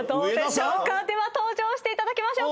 ⁉登場していただきましょう。